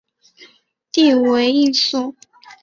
弟为应傃。